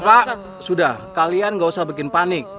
pak sudah kalian gak usah bikin panik